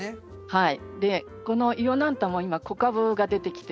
はい。